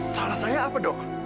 salah saya apa dok